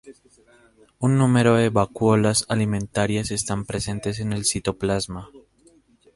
Un número de vacuolas alimentarias están presentes en el citoplasma.